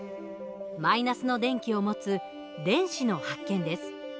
マイナスの電気を持つ電子の発見です。